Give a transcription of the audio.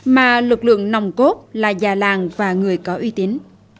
mà lực lượng nòng cốt là già làng và người có uy tín